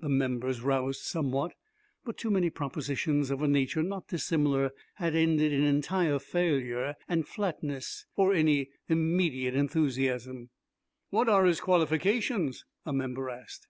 The members roused somewhat, but too many propositions of a nature not dissimilar had ended in entire failure and flatness for any immediate enthusiasm. "What are his qualifications?" a member asked.